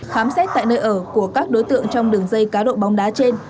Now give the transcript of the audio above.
khám xét tại nơi ở của các đối tượng trong đường dây cá độ bóng đá trên